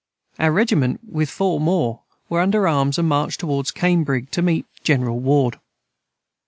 Our Regement with four more were under arms and marched towards cambridg to meet general Ward.